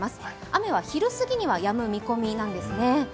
雨は昼過ぎには、やむ見込みなんですね。